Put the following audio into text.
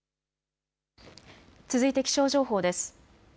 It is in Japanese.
続いて気象情報です。